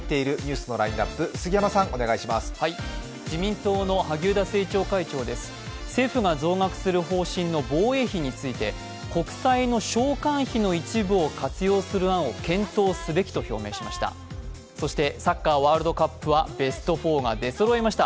政府が増額する方針の防衛費について、国債の償還費の一部を活用する案を検討すべきと表明しました。